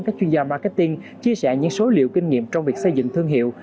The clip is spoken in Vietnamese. các chuyên gia marketing chia sẻ những số liệu kinh nghiệm trong việc xây dựng thương hiệu